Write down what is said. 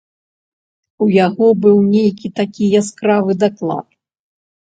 У яго быў нейкі такі яскравы даклад.